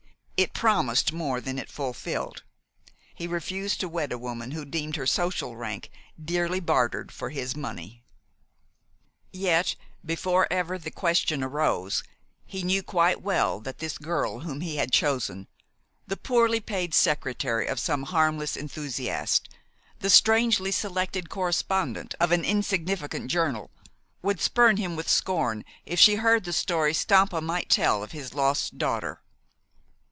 It promised more than it fulfilled. He refused to wed a woman who deemed her social rank dearly bartered for his money. Yet, before ever the question arose, he knew quite well that this girl whom he had chosen the poorly paid secretary of some harmless enthusiast, the strangely selected correspondent of an insignificant journal would spurn him with scorn if she heard the story Stampa might tell of his lost daughter.